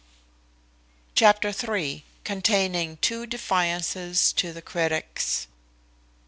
Chapter iii. Containing two defiances to the critics.